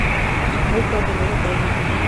El fue ordenado presbítero.